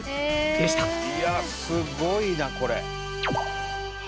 いやすごいなこれ。